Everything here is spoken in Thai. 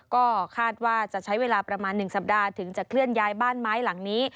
ก็คาดว่าจะใช้เวลาประมาณ๑สัปดาห์ถึงจะเคลื่อนย้ายบ้านไม้หลังนี้